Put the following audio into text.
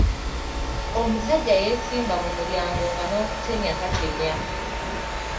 Omusajja yeesimba mu mulyango nga n’okutemya tatemya.